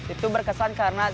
itu berkesan karena saya